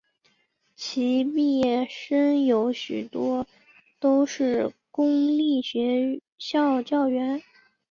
其毕业生有许多都是公立学校教员。